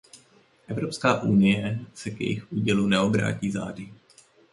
Evropská unie se k jejich údělu neobrátí zády.